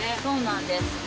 そうなんです。